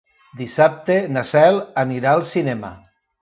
Dissabte na Cel anirà al cinema.